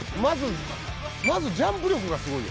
まずジャンプ力がすごいよ。